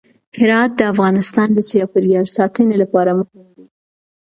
هرات د افغانستان د چاپیریال ساتنې لپاره مهم دي.